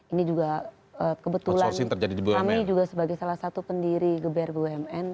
ini juga kebetulan kami juga sebagai salah satu pendiri geber bumn